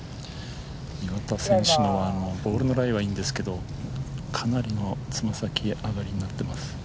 岩田選手のボールのライはいいんですけどかなりの爪先上がりになっています。